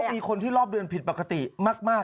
มีคนที่รอบเดือนผิดปกติมาก